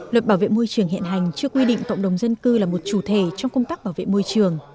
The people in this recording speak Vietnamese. luật bảo vệ môi trường hiện hành chưa quy định cộng đồng dân cư là một chủ thể trong công tác bảo vệ môi trường